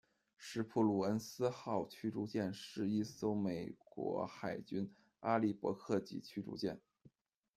史普鲁恩斯号驱逐舰是一艘美国海军阿利·伯克级驱逐舰。